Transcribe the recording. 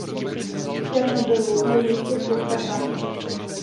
V Černobylu je ještě spousta práce.